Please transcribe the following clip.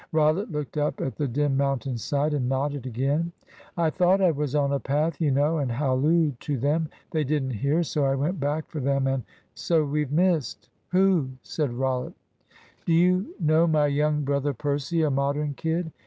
Rollitt looked up at the dim mountain side and nodded again. "I thought I was on a path, you know, and hallooed to them. They didn't hear, so I went back for them, and so we've missed." "Who!" said Rollitt. "Do you know my young brother Percy, a Modern kid?